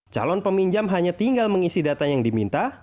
calon peminjam hanya tinggal mengisi data yang diminta